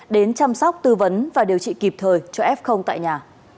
đến chăm sóc tư vấn và điều trị kịp thời cho f tại nhà